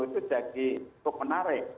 itu menjadi menarik